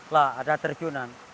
lah ada terjunan